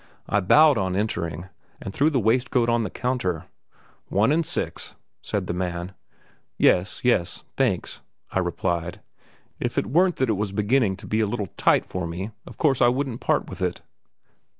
I bowed on entering, and threw the waistcoat on the counter. "One and six," said the man. "Yes, yes, thanks," I replied. "If it weren't that it was beginning to be a little tight for me, of course I wouldn't part with it."